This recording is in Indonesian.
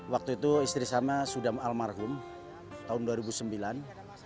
waktu itu istri saya sudah almarhum tahun dua ribu sembilan